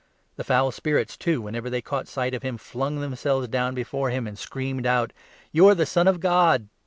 The foul spirits, too, whenever they caught sight n of him, flung themselves down before him, and screamed out : "You are the Son of God